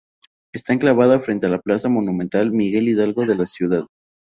Está enclavada frente a la Plaza Monumental Miguel Hidalgo de la ciudad.